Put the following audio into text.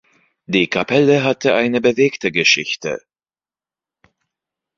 Die Kapelle hatte eine bewegte Geschichte.